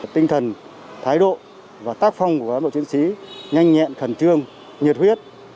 tinh thần thái độ và tác phong của cán bộ chiến sĩ nhanh nhẹn khẩn trương nhiệt huyết